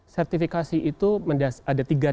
sertifikasi itu ada tiga